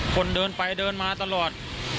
คนเดินไปเดินมาตลอด